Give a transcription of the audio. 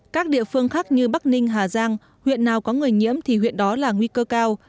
các địa phương khác như bắc ninh hà giang huyện nào có người nhiễm thì huyện đó là nguy cơ cao